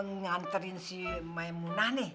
ngantarin si maemunah nih